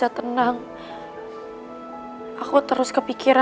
pertanyaan yang terakhir